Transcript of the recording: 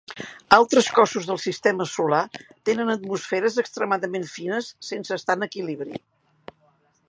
Altres cossos del sistema solar tenen atmosferes extremadament fines sense estar en equilibri.